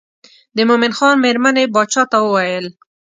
د مومن خان مېرمنې باچا ته وویل.